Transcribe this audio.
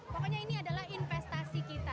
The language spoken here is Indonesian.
pokoknya ini adalah investasi kita